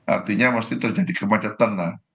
artinya mesti terjadi kemacetan lah